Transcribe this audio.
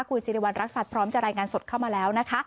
คุณสิริวัณรักษัตริย์พร้อมจะรายงานสดเข้ามาแล้วนะคะ